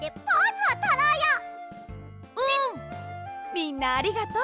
みんなありがとう。